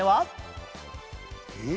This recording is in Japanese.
えっ？